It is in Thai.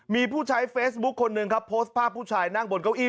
มีผู้ใช้เฟซบุ๊คคนหนึ่งครับโพสต์ภาพผู้ชายนั่งบนเก้าอี้